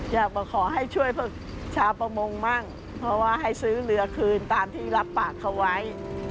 อยากมาขอให้ช่วยชาวประมงมั่งเพราะว่าให้ซื้อเรือคืนตามที่รับปากเขาไว้